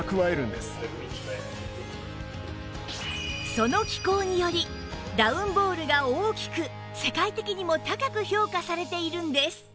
その気候によりダウンボールが大きく世界的にも高く評価されているんです